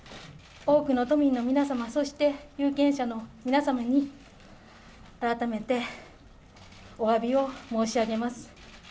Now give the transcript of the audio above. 多くの都民の皆様、そして有権者の皆様に、改めておわびを申し上げます。